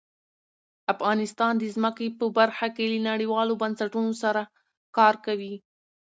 افغانستان د ځمکه په برخه کې له نړیوالو بنسټونو سره کار کوي.